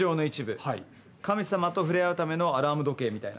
神様と触れ合うためのアラーム時計みたいな。